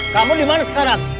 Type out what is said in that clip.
kamu dimana sekarang